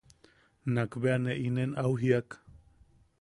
Nak bea ne inen au jiiak.